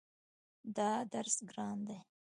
دا درس ګران ده